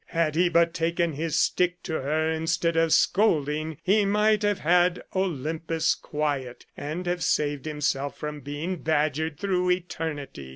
Had he but taken his stick to her instead of scolding, he might have had Olympus quiet, and have saved himself from being badgered through eternity.